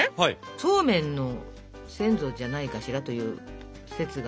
そうめんの先祖じゃないかしらという説が。